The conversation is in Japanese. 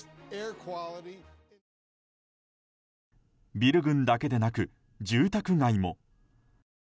ビル群だけでなく住宅街も。